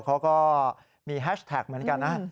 เขาก็มีแฮชแท็กเหมือนกันนะ